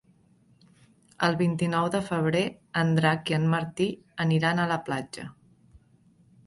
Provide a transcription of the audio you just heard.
El vint-i-nou de febrer en Drac i en Martí aniran a la platja.